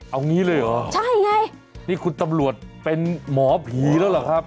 เอางี้เลยเหรอใช่ไงนี่คุณตำรวจเป็นหมอผีแล้วเหรอครับ